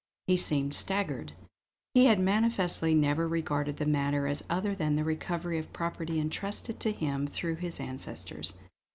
He seemed staggered. He had manifestly never regarded the matter as other than the recovery of property entrusted to him through his ancestors.